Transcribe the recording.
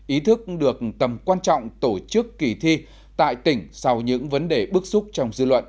ý thức được tầm quan trọng tổ chức kỳ thi tại tỉnh sau những vấn đề bức xúc trong dư luận